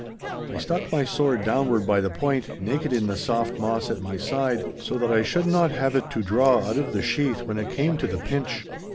I stuck my sword downward by the point, naked in the soft moss at my side, so that I should not have it to draw out of the sheath when it came to the pinch.